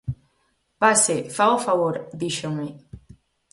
_Pase, faga o favor _díxome_.